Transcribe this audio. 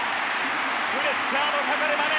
プレッシャーのかかる場面